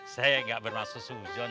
saya gak bermaksud suzon